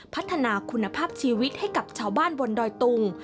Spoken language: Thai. พัฒนาคุณภาพชีวิตให้กับชาวบ้านบนดอยตุง